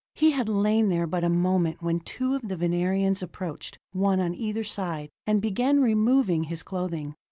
He had lain there but a moment when two of the Venerians approached, one on either side, and began removing his clothing.